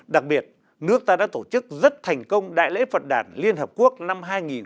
đặc biệt nước ta đã tổ chức rất thành công đại lễ phật đàn liên hợp quốc năm hai nghìn một mươi chín